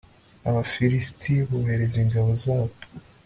abafilisiti bohereza ingabo zabo